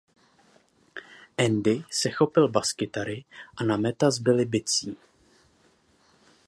Andy se chopil baskytary a na Matta zbyly bicí.